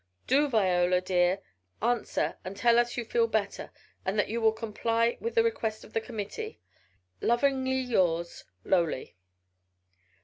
Do Viola, dear, answer, and tell us you feel better and that you will comply with the request of the committee. Lovingly yours, LOWLY.